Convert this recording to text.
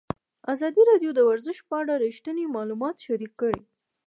ازادي راډیو د ورزش په اړه رښتیني معلومات شریک کړي.